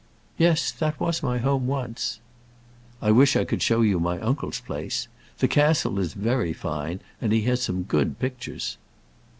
"Yes; that was my home once." "I wish I could show you my uncle's place. The castle is very fine, and he has some good pictures."